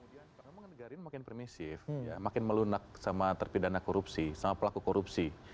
yang kemudian pengenegari ini makin permisif makin melunak sama terpidana korupsi sama pelaku korupsi